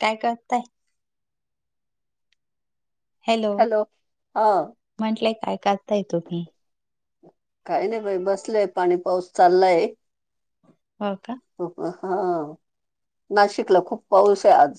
काय करताय? हॅलो, हा म्हंटलंय काय करताय तुम्ही? काही नाही बाई बसलंय पाणी पाऊस चाललाय. हो का. हा नाशिकला खूप पाऊस आहे आज.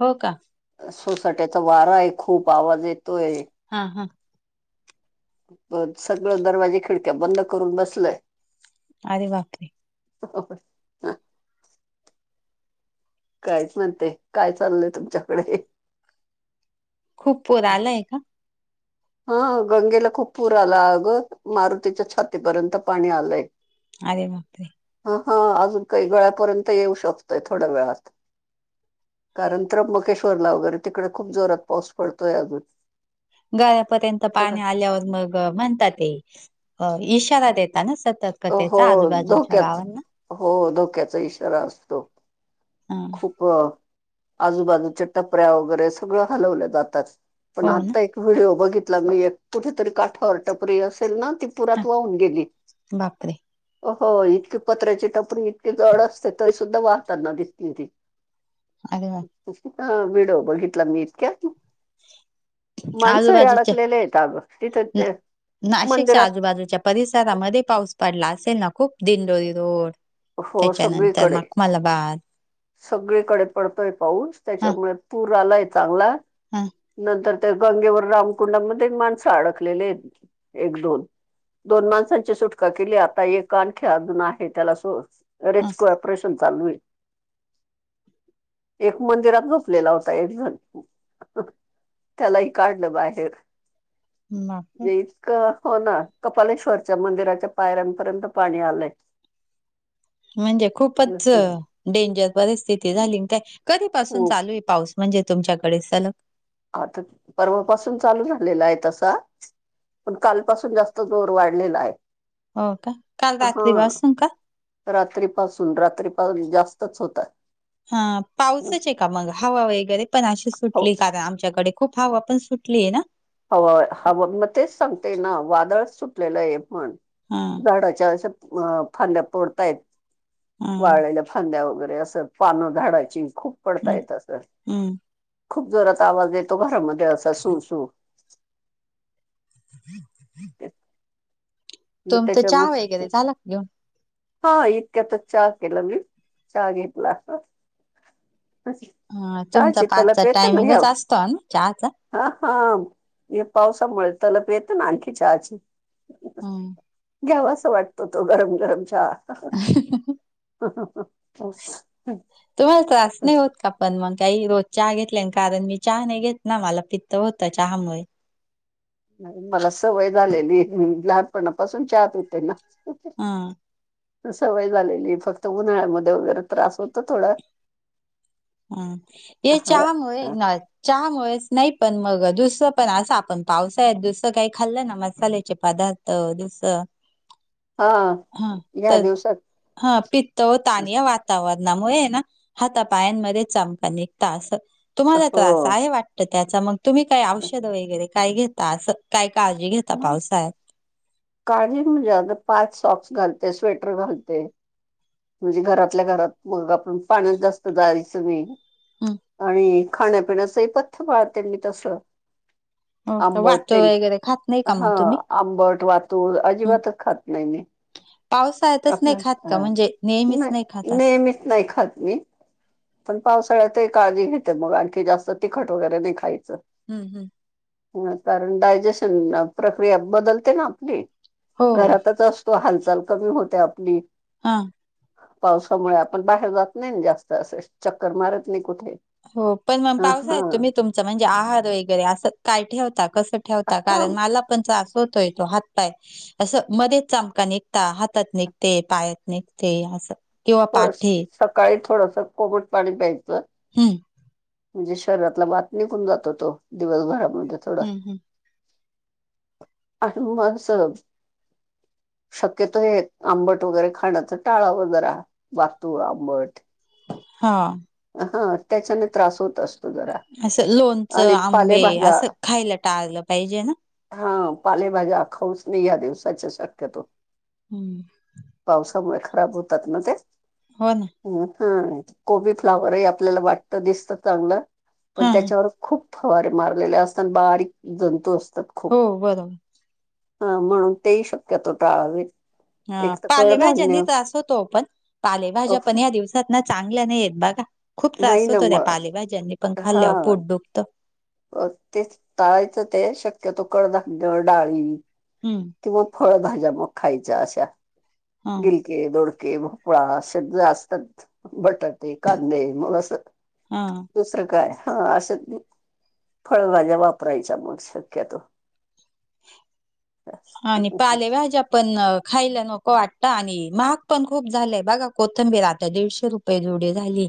हो का सोसाट्याचा वारा आहे. खूप आवाज येतोय. हा हा. सगळं दरवाजे खिडक्या बंद करून बसलय. अरे बापरे. ह. [unintelligible] [inaudible] कायच न्हते काय चाललंय तुमच्याकडे खूप [inaudible] पोर आलाय का? हा गंगेला खूप पूर आला अगं मारुतीच्या छातीपर्यंत पाणी आलंय. [inaudible] आधे [inaudible] म हा अजून [inaudible] काही वेळा्यापर्यंत येऊ शकतोय थोड्या वेळात कारण त्र्यंबकेश्वरला वगैरे तिकडे खूप जोरात पाऊस पडतोय अजून [inaudible] गरापर्यंत पाणी आल्यावर मग म्हणतात ते इशारा देता ना सतत. हो धोक्याच हो धोक्याचा इशारा असतो. हा. खूप आजूबाजूच्या टपऱ्या वगैरे सगळं हलवल्या जातात पण हो ना आता व्हिडिओ बघितला मी एक कुठेतरी काठावर टपरी असेल ना ती [inaudible] हा रात वाहून गेली बापरे हो इतकी पत्र्याची टपरी [inaudible] जड असते तरी सुद्धा वाहतातना दिस [inaudible] ती अरे. [inaudible] [inaudible] हा [inaudible] वड बघितला मी इतक्या माणसरी आजूबाजूच्या अडकलेले आहेत तिथे ना ते नाशिकच्या मंदिरात आजूबाजूच्या परिसरामध्ये पाऊस पडला असेल ना खूप दिनडोरी रोड हो त्याच्यानंतर सगळीकडे मखमालाबाद सगळीकडे पडतोय पाऊस हा त्याच्यामुळे पूर आलाय चांगला. हा. नंतर त्या गंगेवर रामकुंडामध्ये माणसं अडकलेले आहेत एक दोन दोन माणसांची सुटका केली आता एक आणखी अजून आहे त्याला हा रेस्क्यू ऑपेरेशन चालू आहे एक मंदिरात झोपलेला होता एक जण त्यालाही काढलं बाहेर. बापरे हो ना कपालेश्वरच्या मंदिराच्या पायऱ्यांपर्यंत पाणी आलंय. म्हणजे खूपच डेंजर परिस्थिती झाली काय कधी पसून खूप चालू आहे. पाऊस म्हणजे तुमच्याकडे सलग आता पर्वापसून चालू झालेला आहे तसा. पण कालपासून जास्त जोर वाढलेला आहे. हो का काल रात्री हा पासून का? रात्रीपासून रात्री पाऊस जास्तच होता हा पाऊसच आहे का मग हवा वगैरे पण अशी हो सुटली का? आमच्याकडे खूप हवा पण सुटली आहे ना. हवा हवा मग तेच सांगते ना वादळ सुटलेलं आहे पण हा झाडाच्या अ फांद्या फोडतात हा वाळलेल्या - फांद्या वगैरे असं पानं झाडाची खूप पडता हम्म येत असं. हम्म खूप जोरात आवाज येतो घरामध्ये असा सू सू हम्म हम्. ते- मग त्याच्या वगैरे झाला का घेऊन हा इतक्यात चहा केला, मी चहा घेतला हा, तुमचा चहाची तलप पाचचा येते ना ह्या टायमिंगच असतो ना चहाचा हा हा, हे पावसामुळे तलब येतेना आणखी चहाची हम घ्याव असं वाटतं तो गरम गरम चहा तुम्हाला त्रास नाही होत [unintelligible] का पण मग काही रोज चहा घेतल्याने, कारण मी चहा नाही घेतना, मला पित्त होत चहामुळे नाही, मला सवय झालेली लहानपणा पासून चहा पिते ना हा सवय झालेली, फक्त उन्हाळ्यामध्ये वगैरे त्रास होत थोडं हम्म, ए हा चहामुळे नाय चहामुळेच नाही पण मग दुसरं पण असं आपण पावसाळ्यात दुसरं काही खाल्लं ना मसाल्याचे पदार्थ तर दुसर हम्म हा, तर हा पित्त होत आणि या वातावरणामुळे ना हाता पायांमध्ये ते चमका निघता अस, तुम्हाला त्रास हो आहे वाटत त्याचा, मग तुम्ही काही औषध वगरे काय घेता, असं काय काळजी घेता म पावसाळ्यात? काळजी म्हणजे असं पायात सॉक्स घालते, स्वेटर घालते म्हणजे घरातल्या घरात मग आपण पाण्यात जास्त जायचं नहीं हम्म आणि खाण्या पिण्याचंही पथ्य पाळते मी तस हो का? वातुळ वगैरे खात नाही का हा मग तुम्ही आंबट, वातूळ, हम्म अजिबात खात नाही मी पावसाळ्यातच नाही आपल्या खात का हा, म्हणजे नेहमीच नाही खात असं नेहमीच नाही खात मी पण पावसाळ्यात ही काळजी घेते, मग आणखी जास्त तिखट वगैरे नाही खायचं हम् हम् कारण डायजेशन प्रक्रिया बदलते ना आपली हो घरातच असतो, हालचाल कमी होते आपली. हा. पावसामुळे आपण बाहेर जात नाही जास्त असं. चक्कर मारत नाही कुठे. हो, पण मग ह हा पावसाळ्यात तुम्ही तुमच म्हणजे आहार वगैरे असं काय ठेवता? कसं ठेवता? हा कारण मला पण त्रास होतोय तो, हातपाय अस मध्येच चमका निघ ता हातात निघते, पायात निघते, असं किंवा थोड पाठीेत सकाळी थोडसं कोमट पाणी प्यायचं. हम्म. म्हणजे शरीरातला वात निघून जातो तो, दिवसभरामध्ये थोडा. हम्म हम्म आपली [unintelligible] शक्यतो, हे आंबट वगैरे खाण्याचा टाळाव जरा. [unintelligible] आंबट. हा. हा, त्याच्याने त्रास होत असतो. जरा. असं लोणचं, आणि आंबे पालेभाज्या असं खायला टाळलं पाहिजे ना. हा, पालेभाज्या खाऊच ने या दिवसाच्या शक्यतो. हम्म. पावसामुळे खराब होतात ना त्या. हो ना. हा, कोबी, फ्लावर ही आपल्याला वाटत दिसतं चांगलं, पण हा हा. त्याच्यावर खूप फवारे मारलेले असतान. बारीक जंतू असतात. हो, खूप बरोबर. हा, मग ते ही शक्यतो टाळावेत. हा, पालेभाज्यांनी त्रास होतो ओ पण, पालेभाज्या अफ पण ह्या दिवस चांगल्या नाहीयेत, बघा खूप नाही त्रास ना होतो त्या मग पालेभाज्यांनी पण खाल्ल्यावर हा पोट दुखतं. तेच टाळायचं ते शक्यतो कडधान्य, डाळी हम्म. किंवा फळभाज्या मग खायच्या अशा हा गिलके, दोडके भोपळा असं जे असतात बटाटे, कांदे मग अस हा. दुसरं काय? हा असंच फळभाज्या वापरायच्या मग शक्यतो. हा, आणि पालेभाज्या पण खायला नको वाटतं आणि महाग पण खूप झालंय, बघा कोथंबीर आता दीडशे रुप जुडी झाली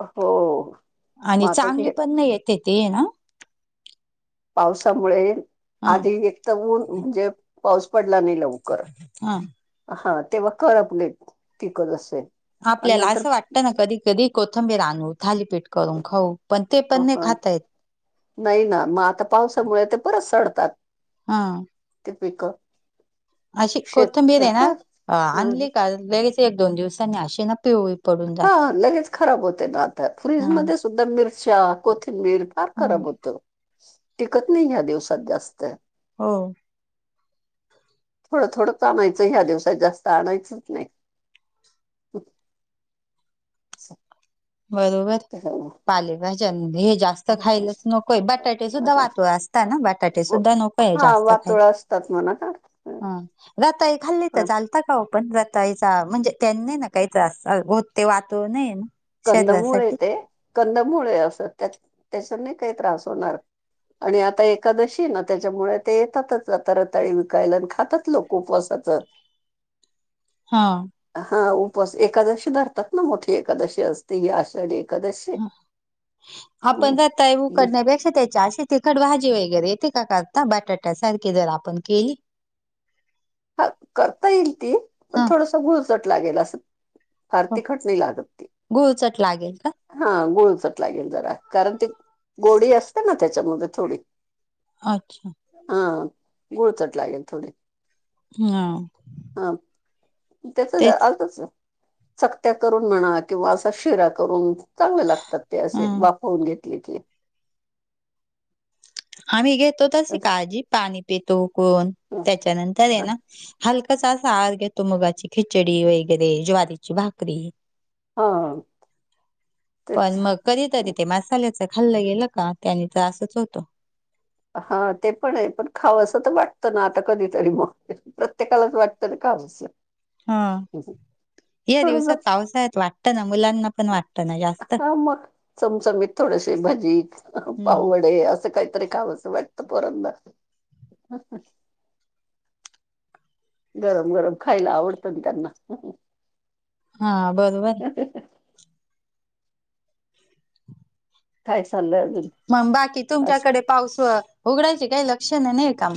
हो आणि मग आता चांगली ते पण नाहीये. ते [unintelligible] ना पावसामुळे हा आधी एक तर, ऊन म्हणजे पाऊस पडला नाही लऊ हा. हा, तेव्हा कळतं नाही [unintelligible] असेल. आपल्याला असं वाटतं ना, कधी कधी कोथिंबीर आनू थालीपीठ करून खाऊ पण ते पण नाही हा खाता येत. नाही ना, मग आता पावसामुळे ते परत सडतात. हा. ते पिकं. अशी कोथंबीर आहे ना, शेत आणली का लगेच एक, दोन दिवसांनी अशी ना पिव हा लगेच खराब होते ना आता हा फ्रीजमध्येध्ये सुद्धा मिरच्या कोथिंबीर फार हा खराब होतं. टिकत नाही ह्या दिवसात जास्त. हो. थोडं थोडंच आणायचं ह्या दिवसात जास्त आणायचंच नाही. [inaudible] बरोबर. [inaudible] पाले भाज्यानी आणि दही जास्त. स खायलाच नकोय बटाटेच सुद्धा [unintelligible] असं. वाहतोय असताना बटाटेच दानव सुुद्धा नकोय जास्त खाय तच म्हणा का. ह, हं. रताळी खाल्ली तर चाल. का खाओपण रताळीचा म्हणजे त्यांनी ना काही त्रास होते वाहतो नाई ना. कंदमुळय शरीरासाठी ते कंदमुळय असं त्याच त्याच्याने नाय काय त्रास होणार. आणि आता एकादशीय ना त्याच्यामुळं ते येतातच आता रताळी विकायला आणि खातात लोक. ऊपवासाचं हा. हा उपवास एकादशी धरतात ना मोठी एकादशी असते ही आषाढी. एकादशी ह हम्म आपण रताळी उकडण्या पेक्षा त्याच्या अशी तिखट भाजी वेगैरे येती का करता बटाट्या सारखी जर आपण केली. हा करता येईल ती पण हा थोडसं गुळचट लागेल असं. फार हो तिखट नाय लागत ती. गुळचट लागेल का? हा गुळचट लागेल जरा कारण ती गोडी असते ना त्याच्यामधे थोडी. अच्छा. हा गूळचट लागेल थोडी. हा. हा, त्याचच तेच आतच, चकत्या करून म्हणा किंवा असा शिरा करून चांगल लागतात ते, हा कींवा फोडणीतऽ [unintelligible] आम्ही घेतो तशी काळजी, पाणी पेतो उकळुन, त्याच्यानंतर आहे ना हलकाऽ कसा सार घेतो मुगाची खिचडी वगैरे, ज्वारीची भाकरी. हा. तेच पण मग कधीतरी ते मसाल्याचं खाल्लं गेलं का त्यानी त्रासच होतो. हा ते पण आय पण खावसं तर वाटतं ना आता कधीतरी मग प्रत्येकालाच वाटत ना खावंसं. हा. या दिवसात थोडं पावसाळ्यात वाटतं ना मुलांना पण वाटतं ना जास्त, हा मग चमचमीत थोडेसे भजी, हम्म पाववडे असं काहीतरी खावऽ असं वाटतं पोरांना. गरम गरम खायला आवडतं ना त्यांना. हा बरोबर. [inaudible] काय चाललंय आजुन? मग बाकी तुमच्याकडे पाऊस उघडायचे काही लक्षण नाही का?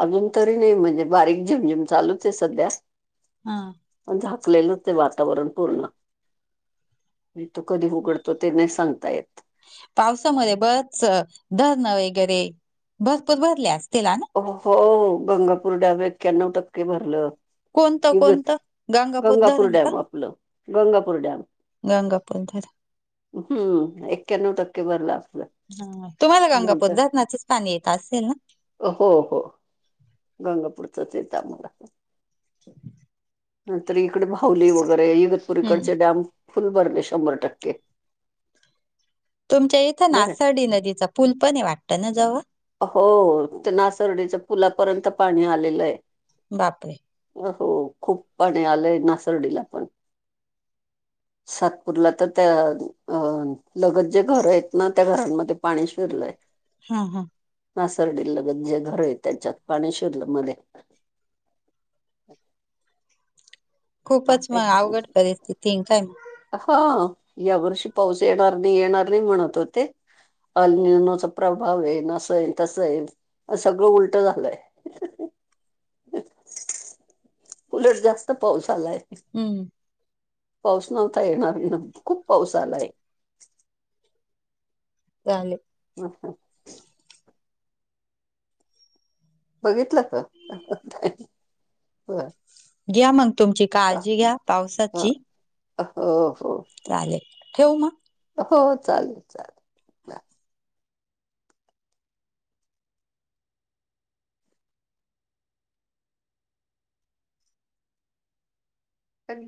अजून तरी नाही म्हणजे बारीक झिमझिम चालूच आहे सध्या. हा, पण झाकलेलंच ये ते वातावरण पूर्ण, म तो कधी उघडतो ते नाही सांगता येत. पावसामध्ये बरेच धरणं वगैरे, भरपूर भरले अस त्याला ना. हो, गंगापूर ड्याम एक्याण्णव टक्के भरलं. कोणतं इगत कोणतं गंगापूर धरण डॅम आपलं, गंगापूर डॅम. गंगापूरधरन. हम्म, एक्याण्णव टक्के भरलं आपलंं, नाही तरऽ. पणी येत असेल ना. हो हो, गंगापूरचच येतं आम्हाला. नाही तर इकडे भाऊुली वगैरे, इगतपूर इकडचे हम्म. डॅम फुल भरले शंभर टक्के. तुमच्या इथं बरं नासर्डी नदीचा पूल आहे पण वाटत ना जवळ. हो, ते नासर्डीच्या पुलापर्यंत पाणी आलेलं आहे. बापरे! अ हो खूप पाणी आलंय नासर्डीला पण. सातपूरला तर त्या अ लगत जे घरं आहेत ना, त्या घरांमध्ये पाणी शिरलंय. हा हा, नासरडी लगत जे घर आहे त्यांच्यात, पाणी शिरलंय मध्येऽ. खूपच आहे. मग अवघड परिस्थिती, काय नाही मग? हा, या वर्षी पाऊस येणार नाही येणार नाही म्हणत होते. अलनाचा प्रभाव येईल, असं येईल तसं येईल, सगळं उलट झालंय. उलट जास्त पाऊस आलाय. हम्म, पाऊस नव्हता येणार, खूप पाऊस आलाय. चालेल. ह हा, बघितलं का, बर. घ्या मग तुमची काळजी घ्या, पावसाची. हो हो, चालेल, ठेवू मग? हो चालेल, चालेल,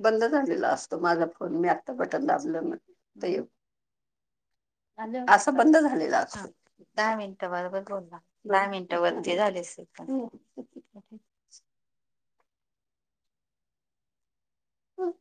बंद झालेला असतो माझा फोन, मी आत्ता बटन दाबलं मग दैवऽ. असं बंद झालेलं अजूनऽ. दहा मिनिट बराबर बोल दहा मिनिट वरती झालेस पण हम.